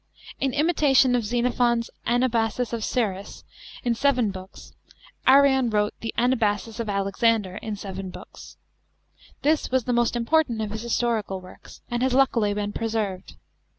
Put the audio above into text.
(2) In imitation of Xenophon's Anabasis of Cyrus in seven Books, Arrian wrote the Anabasis of Alexander in seven Books. This was the most important of his historical works, and has luckily been preserved.